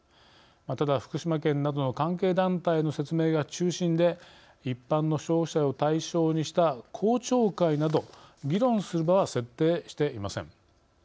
ただ福島県などの関係団体への説明が中心で一般の消費者を対象にした公聴会など議論する場は設定していません。